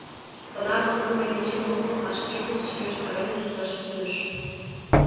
— Тынар муным мый дечем огыл, а шкеж деч йождарен лукташ кӱлеш.